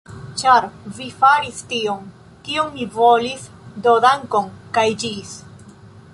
Ĉar vi faris tion, kion mi volis do dankon, kaj ĝis!